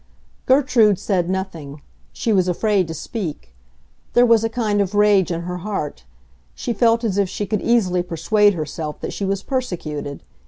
Gertrude said nothing; she was afraid to speak. There was a kind of rage in her heart; she felt as if she could easily persuade herself that she was persecuted.